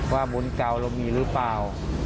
ว่าบุญเก่าเรามีหรือเปล่า